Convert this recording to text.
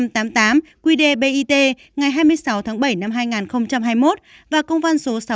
tại quy định số ba nghìn năm trăm tám mươi tám